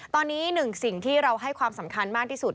ตอนนี้หนึ่งสิ่งที่เราให้ความสำคัญมากที่สุด